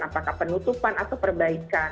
apakah penutupan atau perbaikan